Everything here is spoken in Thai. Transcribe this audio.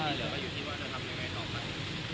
อันนี้เราก็อยู่ที่ว่าเราทำยังไงต่อไป